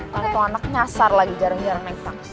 karena tuh anak nyasar lagi jarang jarang naik taksi